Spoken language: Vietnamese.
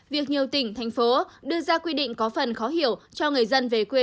việc nhiều tỉnh thành phố đưa ra quy định có phần khó hiểu cho người dân về quê